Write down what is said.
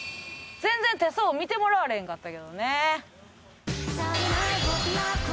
全然手相を見てもらわれへんかったけどね。